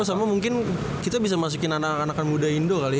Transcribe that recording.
oh sama mungkin kita bisa masukin anak anak muda indo kali ya